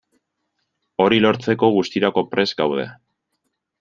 Hori lortzeko guztirako prest gaude.